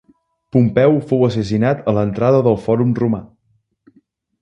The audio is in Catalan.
Pompeu fou assassinat a l'entrada del fòrum romà.